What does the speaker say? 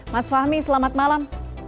mas fahmi selamat malam